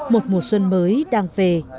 một mùa xuân mới đang về